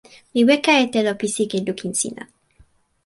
mi weka e telo pi sike lukin sina.